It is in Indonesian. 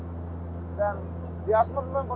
kalau gangguan keamanan sendiri gimana